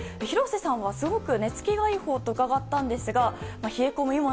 広瀬さんはすごく寝つきがいいほうと伺ったんですが冷え込む